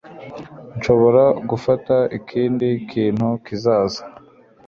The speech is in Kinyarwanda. nshobora gufata ikindi kintu kizaza